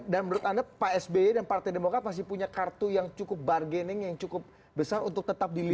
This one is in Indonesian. dan menurut anda pak sby dan partai demokrasi pasti punya kartu yang cukup bargaining yang cukup besar untuk tetap dilirik